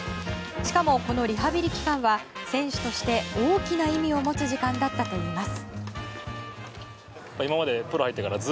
しかも、このリハビリ期間は選手として大きな意味を持つ時間だったといいます。